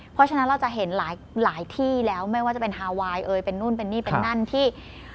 เพราะฉะนั้นเราจะเห็นหลายที่แล้วไม่ว่าจะเป็นฮาไวน์เอ่ยเป็นนู่นเป็นนี่เป็นนั่นที่